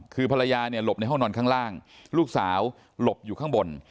คือภรรยาเนี่ยหลบในห้องนอนข้างล่างลูกสาวหลบอยู่ข้างบน